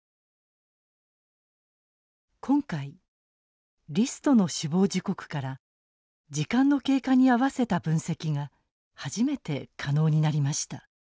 今回リストの死亡時刻から時間の経過に合わせた分析が初めて可能になりました。